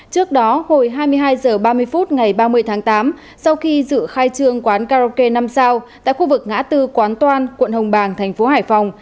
trước đó hồi hai mươi hai h ba mươi phút ngày ba mươi tháng tám sau khi dự khai trương quán karaoke năm sao tại khu vực ngã tư quán toan quận hồng bàng thành phố hải phòng